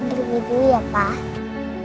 ibu ibu ya pak